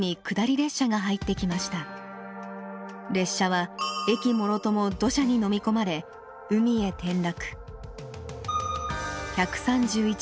列車は駅もろとも土砂にのみ込まれ海へ転落。